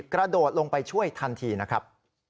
กระโดดลงไปช่วยทันทีนะครับ